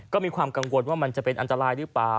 ก็มีความกังวลว่ามันจะเป็นอันตรายหรือเปล่า